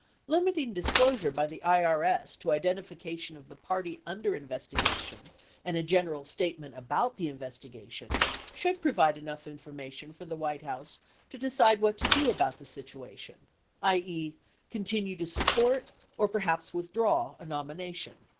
Limiting disclosure by the IRS to identifica tion of the party under investigation and a general statement about the investigation should provide enough information for the White House to decide what to do about the situation, i.e., continue to sup port, or perhaps withdraw a nomination.